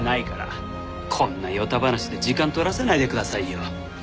こんな与太話で時間取らせないでくださいよ。